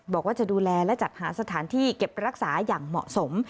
บอกว่าจะดูแลและจัดหาสถานที่เก็บรักษาอย่างเหมาะสม